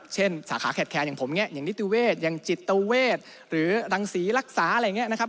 เช่นสาขาแคทแคนอย่างผมอย่างนิติเวทอย่างจิตเวทหรือรังสีรักษาอะไรอย่างนี้